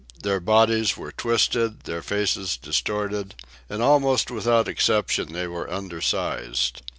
Their bodies were twisted, their faces distorted, and almost without exception they were under sized.